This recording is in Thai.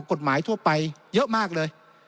กฎหมายทั่วไปเยอะมากเลย